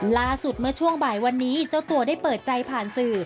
ล่าสุดเมื่อช่วงบ่ายวันนี้เจ้าตัวได้เปิดใจผ่านสื่อ